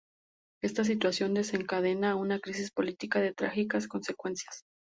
Esta situación desencadena una crisis política de trágicas consecuencias.